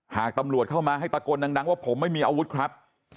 หากตำรวจเข้ามาให้ตะโกนดังว่าผมไม่มีอาวุธครับ